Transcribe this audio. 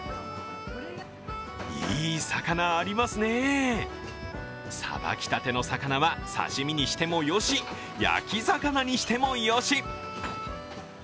いい魚ありますね、さばきたての魚は刺身にしてもよし、焼き魚にしてもよし。